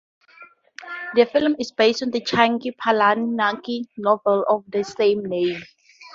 The film is based on the Chuck Palahniuk's novel of the same name.